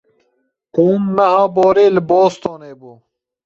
Tom meha borî li Bostonê bû.